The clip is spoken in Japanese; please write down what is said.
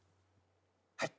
はい。